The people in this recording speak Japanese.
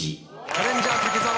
チャレンジャー武沢